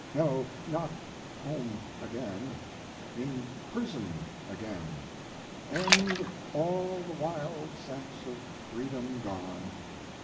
No not home again in prison again, end all the wild sense of freedom gone.